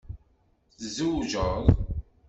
Tzewjeḍ?